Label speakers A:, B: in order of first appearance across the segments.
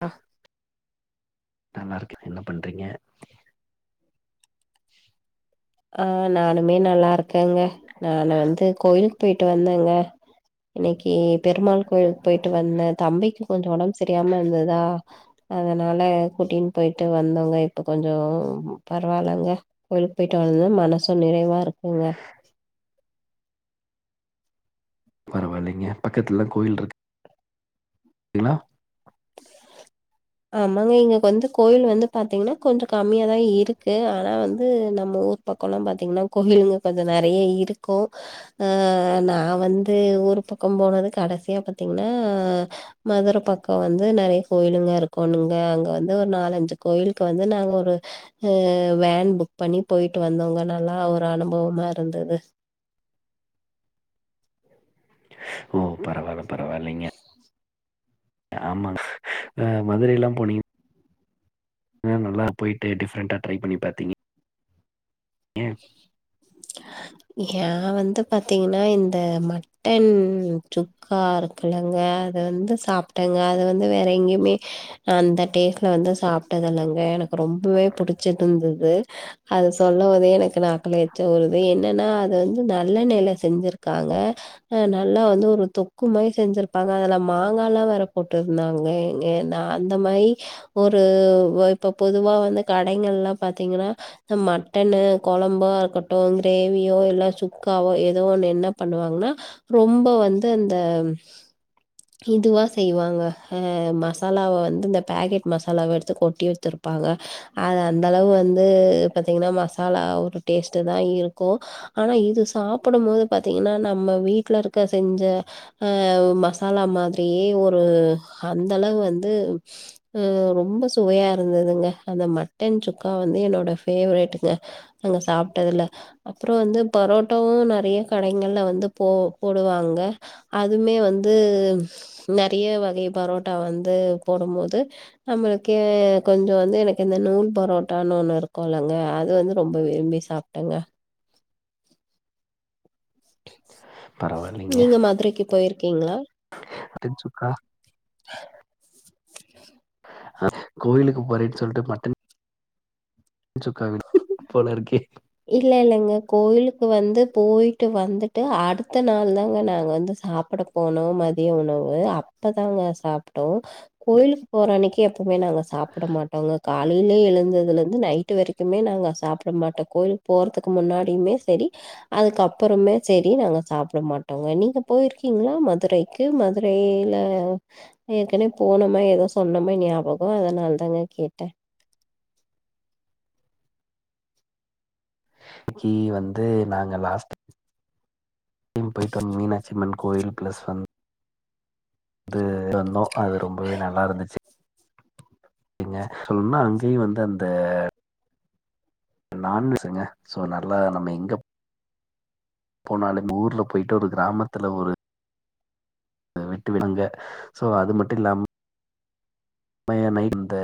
A: ஆ
B: நல்லா இருக்கு என்ன பண்றீங்க
A: ஆ நானுமே நல்லா இருக் இருக்கேங்க நானு வந்து கோயிலுக்கு போயிட்டு வந்தேங்க இன்னைக்கு பெருமாள் கோயிலுக்கு போயிட்டு வந்தே தம்பிக்கு கொஞ்சோ ஒடம்பு சரியாம இருந்ததா அதனால கூட்டின்னு போயிட்டு வந்தோங்க இப்ப கொஞ்சம் பரவால்லங்க கோயிலுக்கு போயிட்டு வந்து மனசும் நெறைவா இருக்குங்க
B: பரவாயில்லங்க பக்கத்துலதா கோயில் இருக்கு தினா
A: ஆமாங்க இங்க வந்து கோயில் வந்து பாத்தீங்கன்னா கொஞ்சம் கம்மியாதா இருக்கு ஆனா வந்து நம்ம ஊர் பக்கம் எல்லாம் பாத்தீங்கன்னா கோயிலுங்க கொஞ்சம் நெறையா இருக்கும் ஆஹ நா வந்து ஊர் பக்கம் போனது கடைசியா பாத்தீங்கன்னா மதுரை பக்கம் வந்து நெறையா கோயிலுங்க இருக்கு கொண்ணுங்க அங்க வந்து ஒரு நாலஞ்சு கோயிலுக்கு வந்து நாங்க ஒரு அஹ் வேன் புக் பண்ணி போயிட்டு வந்தோங்க நல்லா ஒரு அனுபவமா இருந்தது
B: ஓ பரவால்ல பரவால்லங்க
A: [inaudible]
B: ஆமா ஹ மதுர எல்லாம் போனீங்க நல்லா போயிட்டு டிஃப்ரெண்டா டரை பண்ணி பாத்தீங்க
A: ஏ வந்து த்து பார்த்தீங்கன்னா இந்த மட்டன் சுக்கா இருக்குல்லங்க அது வந்து சாப்ட்டேங்க அது வந்து வேற எங்கேயுமே அந்த டேஸ்டில் வந்து சாப்ட்டதில்லங்க எனக்கு ரொம்பவே புடிச்சி இருந்தது அது சொல்லும் போதே எனக்கு நாக்குல எச்சி ஊறுது வருது என்னன்னா அது வந்து நல்லெண்ணையில செஞ்சிருக்காங்க ஹ நல்லா வந்து ஒரு தொக்கு மாரி செஞ்சிருப்பாங்க அதெல்லாம் மாங்காயல்லாம் வேற போட்ருந்தாங்க எங்க அந்த மாரி ஒரு இப்ப பொதுவா வந்து கடைகங்கல்ல பார்த்தீங்கன்னா மட்டனு கொழம்பா இருக்கட்டும் கிரேவியோ இல்ல சுக்காவோ ஏதோ என்ன பண்ணுவாங்கன்னா ரொம்ப வந்து அந்த இதுவா செய்வாங்க அஹ மசாலாவ வந்து இந்த பாக்கெட் மசாலாவ எடுத்து கொட்டி வச்சிருப்பாங்க ஹ அந்த அளவு வந்து பாத்தீங்கன்னா மச மசாலா ஒரு டேஸ்ட்டு தா இருக்கும் ஆனா இது சாப்டும் போது பார்த்தீங்கன்னா நம்ம வீட்டில் இருக்க செஞ்ச மசாலா மாதிரியே ஒரு அந்தளவு வந்து ரொம்ப சுவையா இருந்ததுங்க அந்த மட்டன் சுக்கா வந்து என்னோட ஃபேவரேட்டுங்க அங்க சாப்ட்டதுல அப்புறம் வந்து பரோட்டாவும் நெறைய கடைங்கள்ல வந்து போ போடுவாங்க அதுமே வந்து நெறைய வகை பரோட்டா வந்து போடும்போது நம்மளுக்கே கொஞ்சம் வந்து எனக்கு இந்த நூல் பரோட்டான்னு ஒண்ணு இருக்கும் இல்லங்க அது வந்து ரொம்ப விரும்பி சாப்ட்டேங்க
B: பரவாயில்லைங்க
A: நீங்க மதுரைக்கு போயிருக்கீ ஓகேங்களா
B: மட்டன் சுக்கா கோவிலுக்கு போறேன்னு சொல்லிட்டு மட்டன் சுக்கா வெளுத்துட்டீங்க போல இருக்கே
A: இல்ல இல்லங்க கோயிலுக்கு வந்து போயிட்டு வந்துட்டு அடுத்த நாள் தாங்க நாங்க வந்து சாப்பட போனோம் மதிய உணவு அப்பதாங்க சாப்பிட்டோம் கோயிலுக்கு போறன்னைக்கு எப்பமே நாங்க சாப்ட மாட்டோங்க காலையில எழுந்ததுலேந்து நைட்டு வரைக்குமே நாங்கள் சாப்ட மாட்டோம் கா கோயிலுக்கு போறதுக்கு முன்னாடியுமே செரி அதுக்குப்புறமே செரி நாங்க சாப்ட மாட்டோங்க நீங்க போயிருக்கீங்களா மதுரக்கு மதுரையில ஏற்கனவே போனமா ஏதோ சொன்னமா ஞாபகம் அதனால தாங்க கேட்டேன்
B: இன்னக்கி வந்து நாங்க லாஸ்ட் போயிட்டு மீனாட்சிம்மன் கோயில் பிளஸ் வந்து வந்து வந்தோம் அது ரொம்பவே நல்லா இருந்துச்சுங்க சொல்லணும்னா அங்கயும் வந்து அந்த நான்வெஜுங்க சோ நல்லா நம்ம எங்க போனாலும் ஊர்ல போயிட்டு ஒரு கிராமத்துல ஒரு விட்டு விழுங்க சோ அது மட்டும் இல்லாம அமையனை இந்த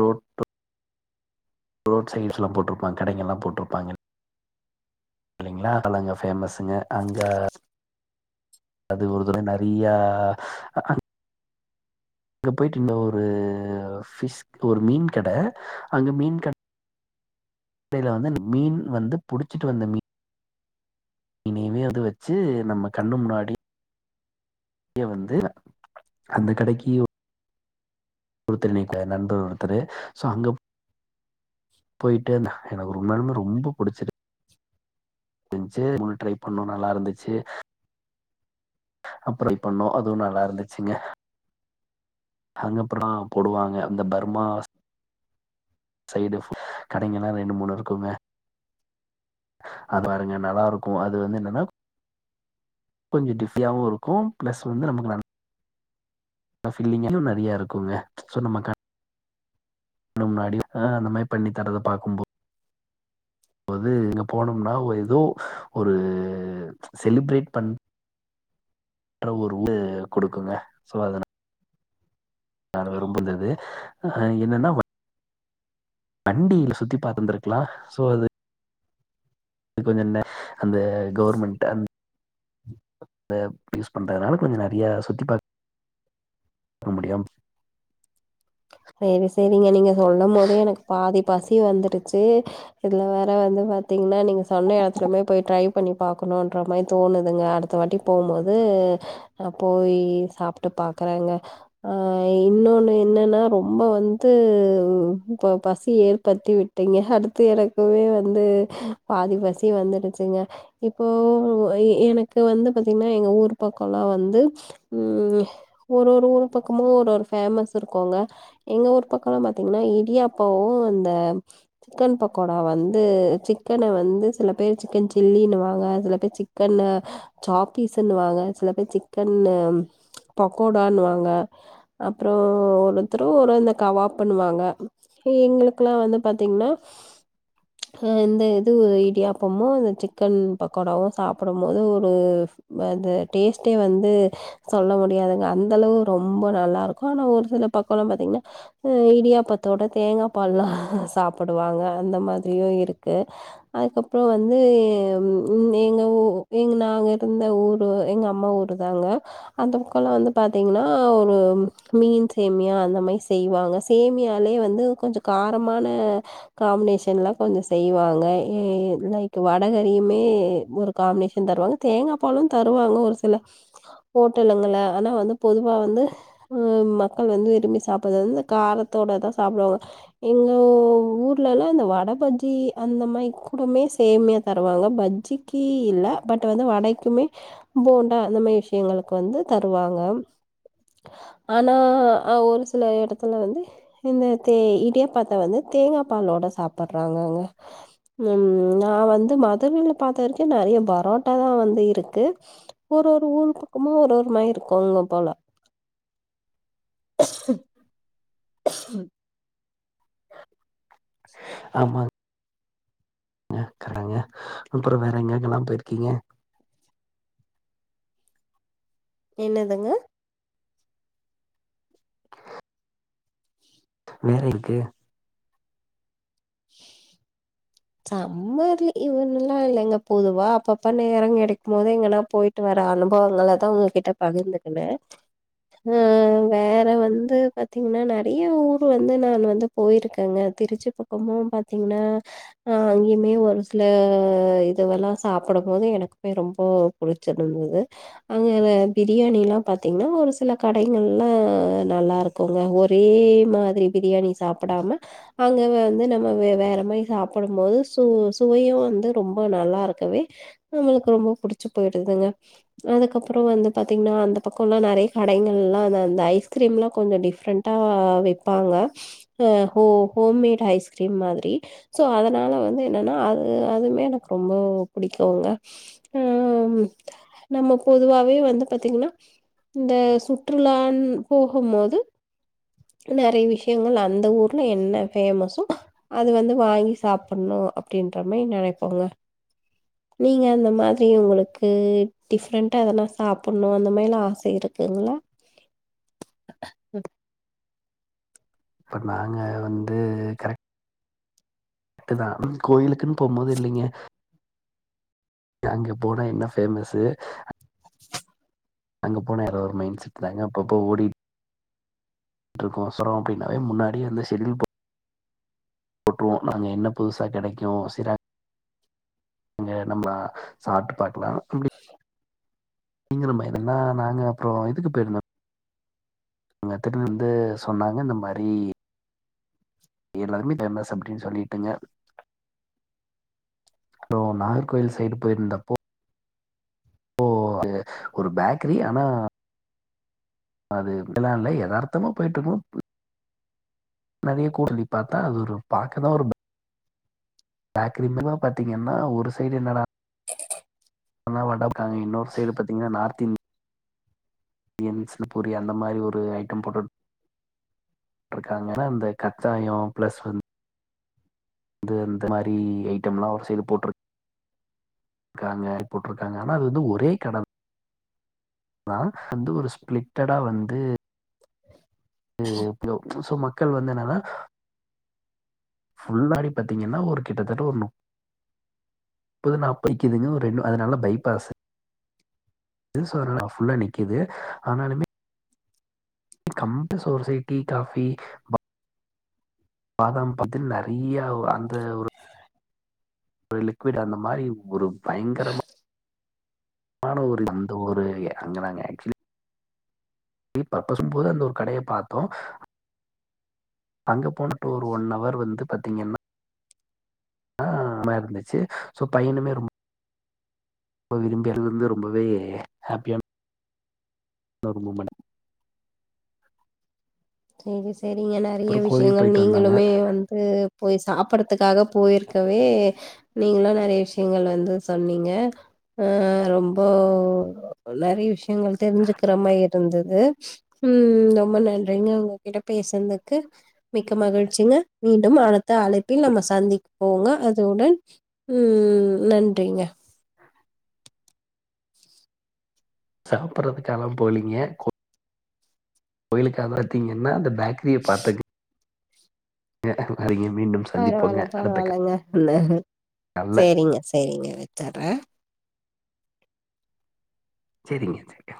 B: ரோட ரோட் சைட்ஸ்லாம் போட்ருப்பாங்க கடைகங்க எல்லாம் போட்ருப்பாங்க இல்லைங்களா அதல அங்க பேமஸ்சுங்க அங்க அது ஒரு தடவ நெறையா அங்க போயிட்டு இங்க ஒரு ஒரு பிஷ் ஒரு மீன் கடை அங்க மீன் கடை அப்பெய்லிருந்து மீன் வந்து புடிச்சிட்டு வந்த மீன் இனிமே அது வச்சு நம்ம கண்ணு முன்னாடி வந்து அந்த கடைக்கு ஒருத்தர் நண்பர் ஒருத்தரு சோ அங்க போயிட்டே இருந்தான் எனக்கு ரொம்பாலுமே ரொம்ப பிடிச்சிரு நல்லா இருந்துச்சு அப்பர பண்ணம் அதுவும் நல்லா இருந்துச்சுங்க அங்கப்புறம் போடுவாங்க அந்த பர்மா சைடு கடைங்க எல்லாம் ரெண்டு மூணு இருக்குங்க அது பாருங்க நல்லாயிருக்கும் அது வந்து என்னன்னா கொஞ்சோம் டிசியாகவும் இருக்கும் பிளஸ் வந்து நமக்கு நல்லா ல்லிங்கெல்லா நெறைய இருக்கோங்க சொல்ல மாட்டா நம்ம முன்னாடியே எல்லாமே பண்ணி தரத பார்க்கும்போது அது இங்க போனோம்னா எதோ ஒரு செலிப்ரேட் பண் ற ஒரு ஊர குடுக்குங்க சோ அதனால நா விரும்புனது ஆஹ் என்னன்னா வண்டியில சுத்தி பார்த்திருந்துக்கலா சோ அது கொஞ்சோ என்ன அந்த கவுர்மெண்ட் அத யூஸ் பண்றதுனால கொஞ்சோ நெறைய சுத்தி பார்க்க முடியா
A: செரி செரிங்க நீங்க சொல்லம்போதே எனக்கு பாதி பசி வந்துடுச்சு இதுல வேற வந்து பாத்தீங்கன்னா நீங்க சொன்ன எடத்துலமே போய் ட்ரை பண்ணி பாக்கணோன்றா மாதிரி தோணுதுங்க அடுத்த வாட்டி போம் போது போய் சாப்டு பாக்குறேங்க ஆஹ் இன்னொன்னு என்னன்னா ரொம்ப வந்து இப்ப பசி ஏற்படுத்தி விட்டீங்க அடுத்து எனக்கு வந்து பாதி பசி வந்துடுச்சுங்க இப்போ எனக்கு வந்து பார்த்தீங்கன்னா எங்க ஊர் பக்கோலாம் வந்து ஒரு ஒரு ஊர் பக்கமோ ஒரு ஒரு ஃபேமஸ் இருக்கோல எங்க ஊர் பக்கோலா பாத்தீங்கன்னா இடியாப்போவோம் அந்த சிக்கன் பக்கோடா வந்து சிக்கன வந்து சில பேர் சிக்கன் சில்லின்னுவாங்க சில பேர் சிக்கன் சாப்பீஸ்னுவாங்க சில பேர் சிக்கன் பகோடான்னுவாங்க அப்றோ ஒருத்தரோ ஒரு இந்த கவாப்புன்னுவாங்க எங்களுக்குல்லா வந்து பார்த்தீங்கன்னா இந்த இது இடியாப்பமோ இந்த சிக்கன் பக்கோடாவோ சாப்புடும்போது ஒரு அது டேஸ்ட்டே வந்து சொல்ல முடியாதுங்க அந்த அளவு ரொம்ப நல்லாயிருக்கோ ஆனா ஒரு சில பக்கோலாம் பார்த்தீங்கன்னா இடியாப்பத்தோட தேங்கா பால்லா சாப்புடுவாங்க அந்த மாதிரியும்இருக்கு அதுக்கப்புறோ வந்து எங் எங்க ஊர் எங்க நாங்க இருந்த ஊர் எங்க அம்மா ஊர்தாங்க அந்த பக்கோலா வந்து பார்த்தீங்கன்னா சேமியா அந்த மாதிரி செய்வாங்க சேமியாலயே வந்து கொஞ்சோ காரமான காம்பினேஷன்லா கொஞ்சோ செய்வாங்க ம் லைக் வடகரியுமே ஒரு காம்பினேஷன் தருவாங்க தேங்கா பாலோ தருவாங்க ஒரு சில ஹோட்டலுங்கள ஆனா வந்து பொதுவா வந்து ம் மக்கள் வந்து விரும்பி சாப்புடுது வந்து இந்த காரத்தோடதா சாப்புடுவாங்க எங்க ஊர்லலா அந்த வட பஜ்ஜி அந்த மாதிரி கூட சேமியா தருவாங்க பஜ்ஜிக்கு இல்ல பட் வந்து வடைக்குமே போண்டா அந்த மாதிரி விஷியங்களுக்கு வந்து தருவாங்க ஆனா ஆஹ் ஹா ஒரு சில எடத்துல வந்து இந்த தெ இடியாப்பத்த வந்து தேங்கா பாலோட சாப்படுறாங்கங்க உம் நா வந்து மதுரையில பார்த்த வரைக்கும் நெறைய பரோட்டாதா வந்து இருக்கு ஒரு ஒரு ஊர் பக்கமோ ஒரு ஒரு மாரி இருக்கோங்க போல [inaudible] [inaudible]
B: [inaudible]
A: [inaudible]
B: ஆமா ங்க கடங்க அப்புறோ வேற எங்கெங்கெல்லா போயிருக்கீங்க
A: என்னதுங்க
B: வேற ஊர்க்கு
A: சம்மர் லீவ்லல்லா இல்லங்க பொதுவா அப்பப்ப நேரோ கெடைக்கும்போது எங்கன்னா போயிட்டு வர அனுபவங்களதா உங்ககிட்ட பகிர்ந்துக்குணே உம் வேற வந்து பாத்தீங்கன்னா நெறைய ஊர் வந்து நானு வந்து போயிருக்கேங்க திருச்சி பக்கமோ பாத்தீங்கன்னா ஆ அங்கயுமே ஒரு சில இதுவெல்லா சாப்படும்போது எனக்குமே ரொம்ப புடிச்சிருந்துது அங்க பிரியாணிலா பார்த்தீங்கன்னா ஒரு சில கடைங்கள்ல நல்லாயிருக்கோங்க ஒரே மாதிரி பிரியாணி சாப்புடாம அங்க வந்து நம்ம வேற மாதிரி சாப் புடும்போது சு சுவையோ வந்து ரொம்ப நல்லாயிருக்கவே நம்மளுக்கு ரொம்ப புடிச்சு போயிடுதுங்க அதுக்கப்புறோ வந்து பாத்தீங்கன்னா அந்த பக்கோலா நெறைய கடைகள்லா அந்த ஐஸ்கிரீம்லா கொஞ்சோ டிஃப்ரெண்டா வெப்பாங்க ஹ ஹோம்மேட் ஐஸ்கிரீம் மாதிரி சோ அதனால வந்து என்னன்னா அது அதுமே எனக்கு ரொம்போ புடிக்கோங்க ம் நம்ம பொதுவாவே வந்து பாத்தீங்கன்னா இந்த சுற்றுலானு போகும்போது நெறைய விஷயங்கள் அந்த ஊர்ல என்ன ஃபேமசோ அது வந்து வாங்கி சாப்புடனும் அப்டின்ற மாதிரி நெனைப்போங்க நீங்க அந்த மாதிரி உங்களுக்கு டிஃப்ரெண்டா அதெல்லா சாப்புடனும் அந்த மாதிரிலா ஆச இருக்குங்களா
B: இப்ப நாங்க வந்து கரெக்ட்டுதா கோயிலுக்குன்னு போகும்போது இல்லைங்க அங்க போனா என்ன ஃபேமஸு அங்க போனா வேற ஒரு மைண்ட் செட்டுதாங்க அப்பப்போ ஓடிட் கோசோறம் அப்டின்னாவே முன்னாடியே வந்து செடூல் போட்டுருவோ நாங்க என்ன புதுசா கெடைக்கோ நாங்க நம்ப சாப்டு பாத்து லா அப்டி நீங்களுமா என்னன்னா நாங்க அப்புறோ இதுக்கு போயிருந்தோம் அவங்க ஒருத்தரு வந்து சொன்னாங்க இந்த மாதிரி எல்லாருமே தெனஸ் அப்டின்னு சொல்லிட்டுங்க அப்றோம் நாகர்கோவில் சைடு போயிருந்தப்போ ஓ அது ஒரு பேக்கரி ஆனா அது அப்டிலாம் இல்ல எதார்த்தமா போயிட்டுருக்கோம் நெறைய கூட்டத பார்த்தா அது ஒரு பார்க்கதா ஒரு பேக்கரி மூலியமா பாத்தீங்கன்னா ஒரு சைடு என்னடா இன்னோ வடக்காய் இன்னொரு சைடு பாத்தீங்கன்னா நார்த் இந்தியன்ஸ்ல பூரி அந்த மாதிரி ஒரு ஐட்டம் போட்டு போட்டிருக்காங்க அந்த கத்தாயோ பிளஸ் வந்து அது அந்த மாரி ஐட்டம்லா ஒரு சைடு போட்டிருக் காங்க போட்டுருக்காங்க ஆனா அது வந்து ஒரே கட ஆனா வந்து ஒரு ஸ்பிளிட்டடா வந்து ப்போ [unintelligible] சோ ம மக்கள் வந்து என்னன்னா ஃபுல்லாவே பாத்தீங்கனா ஒரு கிட்டத்தட்ட ஒரு நுப்பது நாப்பதுக்கீங்க ரெ அதனால பைபாஸ் என்னனு சொல்ல ஃபுல்லா நிக்குது ஆனாலுமே கம்பம்ப சோசைட்டி காபி பாதாம் பாத்தீன்ன நெறய அந்த ஒரு ஒரு லிக்விட் அந்த மாரி ஒரு பயங்கரமா அந்த ஒரு அங்க நாங்க ஆக்சுவல ப போது அந்த கடய பாத்தோ அங்க போனட்டு ஒரு ஒன் அவர் வந்து பாத்தீங்கன்னா ஆ அமா இருந்துச்சு சோ பையனுமே ரொ ரொம்ப விரும்பிய இருந்து ரொம்பவே ஹேப்பியான ர்மமன் [unintelligible]
A: சேரி சேரிங்க நெறய விஷயங்கள்
B: போயிட்டு வந்தாங்க.
A: நீங்களுமே வந்து போய் சாப்டறதுக்காக போயிருக்கேங்க நீங்களா நெறய விஷயங்கள் வந்து சொன்னீங்க அ ரொம்ப நெறய விஷயங்கள் தெரிஞ்சுக்ற மாரி இருந்தது உம் ரொம்ப நன்றி உங்ககிட்ட பேசுனதுக்கு மிக்க மகிழ்ச்சிங்க மீண்டும் அடுத்த அழைப்பில் நம்ம சந்திப்போங்க அதுடன் உம் நன்றிங்க
B: சாப்டறதுக்கால்லா போலீங்க கோயிலுக்காக பாத்தீங்கன்னா அ பேக் கிரிய பாத்தது கங்க [unintelligible]
A: பரவால பரவாலங்க
B: கால்ல.
A: சேரிங்க சேரிங்க வெச்சுறே
B: சேரிங்க சேரிங்க